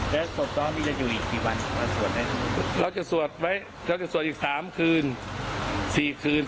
แล้วสวดต้อนมีจะอยู่อีกกี่วันเราจะสวดไหมเราจะสวดอีกสามคืนสี่คืน